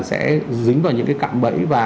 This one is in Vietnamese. sẽ dính vào những cái cạm bẫy và